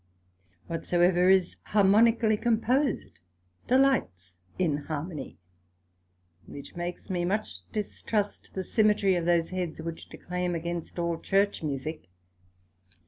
Whosoever is harmonically composed, delights in harmony; which makes me much distrust the symmetry of those heads which declaim against all Church Musick.